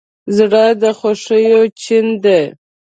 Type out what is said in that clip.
زړه د خوښیو چین دی.